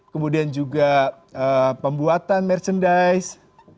kemudian juga pembuatan merchandise